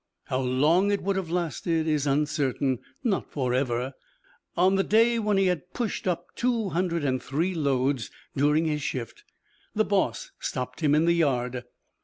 How long it would have lasted is uncertain; not forever. On the day when he had pushed up two hundred and three loads during his shift, the boss stopped him in the yard.